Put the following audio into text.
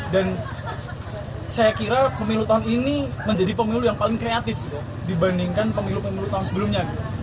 dan saya kira pemilu tahun ini menjadi pemilu yang paling kreatif gitu dibandingkan pemilu pemilu tahun sebelumnya gitu